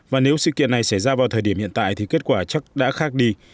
và nếu sự kiện này xảy ra vào thời điểm hiện tại thì kết quả chắc đã khác đi